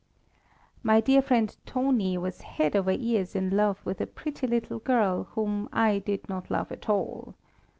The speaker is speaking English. My dear friend Toni was head over ears in love with a pretty little girl whom I did not love at all.